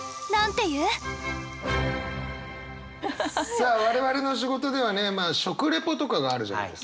さあ我々の仕事ではねまあ食レポとかがあるじゃないですか。